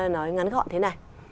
nói ngắn gọn thế này